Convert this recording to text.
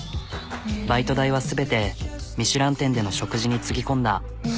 バイト代は全てミシュラン店での食事につぎ込んだ。